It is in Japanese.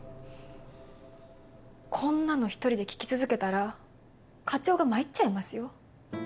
こんなの１人で聞き続けたら課長が参っちゃいますよ。